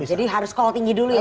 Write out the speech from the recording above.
jadi harus call tinggi dulu ya